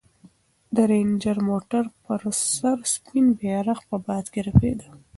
د رنجر موټر پر سر سپین بیرغ په باد کې رپېده.